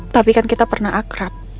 tapi kan kita pernah akrab